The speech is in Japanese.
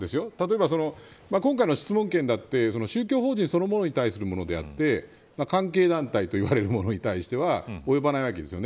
例えば今回の質問権だって宗教法人そのものに対するものであって関係団体といわれるものに対しては及ばないわけです。